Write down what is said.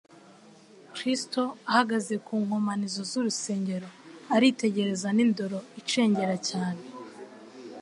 Kristo ahagaze ku nkomanizo z'urusengero aritegereza n'indoro icengera cyane